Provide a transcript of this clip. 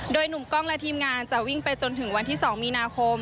โดยหนุ่มกล้องและทีมงานจะวิ่งไปจนถึงวันที่๒มีนาคม